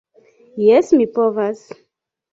Jes, mi povas.